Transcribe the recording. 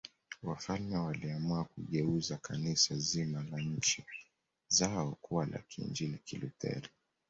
Wafalme waliamua kugeuza Kanisa zima la nchi zao kuwa la Kiinjili Kilutheri